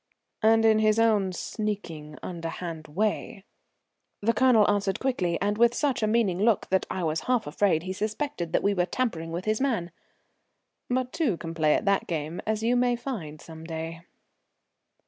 "And in his own sneaking, underhand way," the Colonel answered quickly, and with such a meaning look that I was half afraid he suspected that we were tampering with his man. "But two can play at that game, as you may find some day."